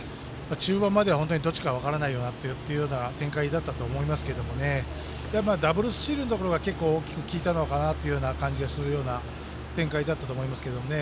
中盤までは、どっちか分からないというような展開だったと思いますけどダブルスチールのところが結構、大きく効いたのかなという感じがするような展開だったと思いますけどね。